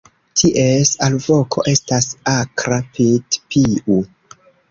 Ties alvoko estas akra "pit-piu".